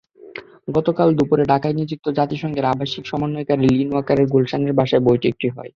গতকাল দুপুরে ঢাকায় নিযুক্ত জাতিসংঘের আবাসিক সমন্বয়কারী নিল ওয়াকারের গুলশানের বাসায় বৈঠকটি হয়।